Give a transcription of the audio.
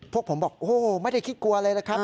พวกผมบอกโอ้โหไม่ได้คิดกลัวเลยนะครับ